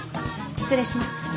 失礼します。